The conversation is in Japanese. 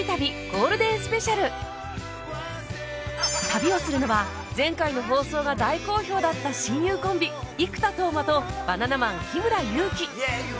旅をするのは前回の放送が大好評だった親友コンビ生田斗真とバナナマン日村勇紀